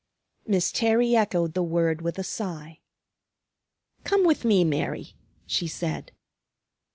Miss Terry echoed the word with a sigh. "Come with me, Mary," she said.